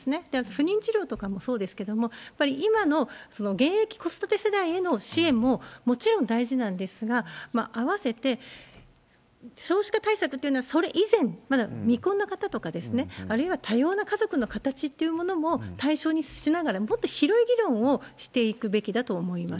不妊治療とかもそうですけども、やっぱり今の現役子育て世代への支援ももちろん大事なんですが、併せて、少子化対策というのは、それ以前、未婚の方とか、あるいは多様な家族の形っていうのも対象にしながら、もっと広い議論をしていくべきだと思います。